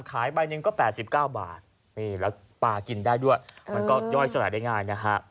ใบหนึ่งก็๘๙บาทนี่แล้วปลากินได้ด้วยมันก็ย่อยสลายได้ง่ายนะฮะ